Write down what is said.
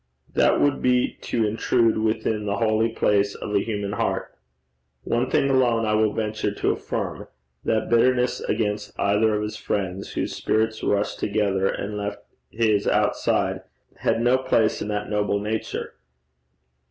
That would be to intrude within the holy place of a human heart. One thing alone I will venture to affirm that bitterness against either of his friends, whose spirits rushed together and left his outside, had no place in that noble nature.